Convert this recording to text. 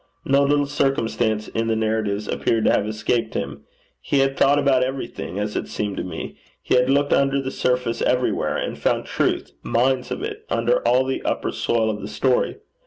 No little circumstance in the narratives appeared to have escaped him. He had thought about everything, as it seemed to me. He had looked under the surface everywhere, and found truth mines of it under all the upper soil of the story.